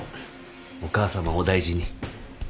お母さまお大事に。